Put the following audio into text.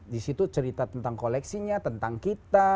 di situ cerita tentang koleksinya tentang kita